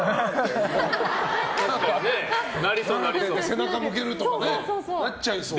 背中を向けるとかなっちゃいそう。